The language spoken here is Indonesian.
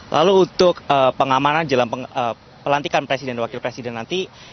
lalu untuk pengamanan jelang pelantikan presiden dan wakil presiden nanti